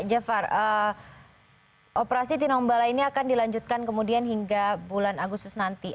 jafar operasi tinombala ini akan dilanjutkan kemudian hingga bulan agustus nanti